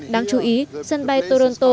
đáng chú ý sân bay toronto